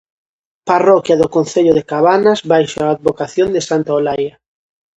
Parroquia do concello de Cabanas baixo a advocación de santa Olaia.